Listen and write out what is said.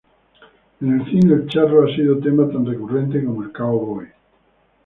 En el cine, el charro ha sido tema tan recurrente como el "cow-boy".